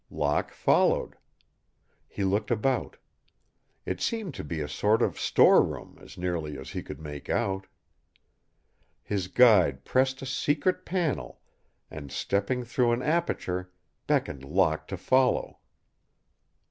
Locke followed. He looked about. It seemed to be a sort of storeroom, as nearly as he could make out. His guide pressed a secret panel and, stepping through an aperture, beckoned Locke to follow.